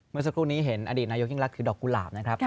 เมื่อสักครู่นี้เห็นอดีตนายกยิ่งรักคือดอกกุหลาบนะครับ